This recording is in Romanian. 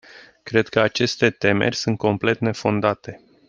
Cred că aceste temeri sunt complet nefondate.